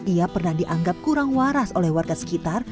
ia pernah dianggap kurang waras oleh warga sekitar